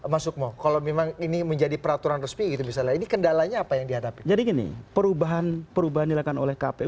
masuk mo kalau memang ini menjadi peraturan resmi ini kendalanya apa yang dihadapi